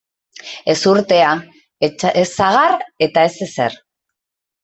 Ezurtea, ez sagar eta ez ezer.